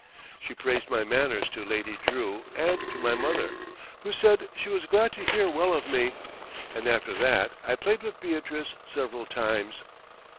She praised my manners to Lady Drew and to my mother, who said she was glad to hear well of me, and after that I played with Beatrice several times.